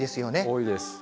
多いです。